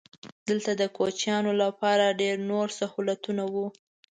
دلته د کوچیانو لپاره ډېر نور سهولتونه وو.